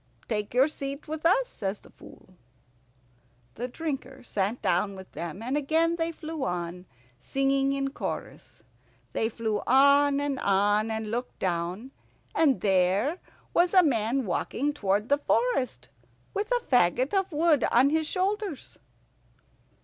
"Take your seat with us," says the Fool. The Drinker sat down with them, and again they flew on, singing in chorus. They flew on and on, and looked down, and there was a man walking towards the forest, with a fagot of wood on his shoulders.